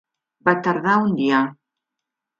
Va tardar un dia.